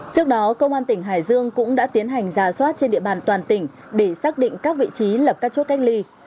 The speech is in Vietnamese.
trước đó công an tỉnh hải dương cũng đã tiến hành giả soát trên địa bàn toàn tỉnh để xác định các vị trí lập các chốt cách ly